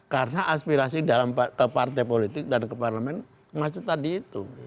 karena aspirasi ke partai politik dan ke parlamen mengacet tadi itu